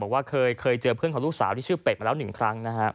บอกว่าเคยเจอเพื่อนของลูกสาวชื่อเปดมาละ๑ครั้ง